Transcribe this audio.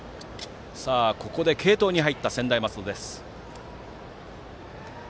ここで継投に入った専大松戸です。